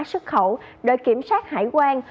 sức khẩu đội kiểm soát hải quan